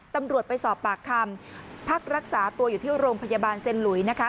ตำรวจไปสอบปากคำพักรักษาตัวอยู่ที่โรงพยาบาลเซ็นหลุยนะคะ